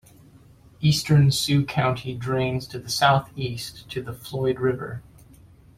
Eastern Sioux County drains to the south east to the Floyd River.